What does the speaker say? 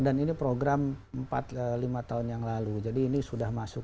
dan ini program empat lima tahun yang lalu jadi ini sudah masuk